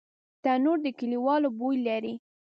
تنور د کلیوالو بوی لري